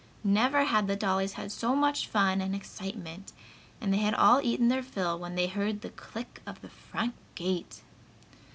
Never had the dolls had so much fun and excitement, and they had all eaten their fill when they heard the click of the front gate.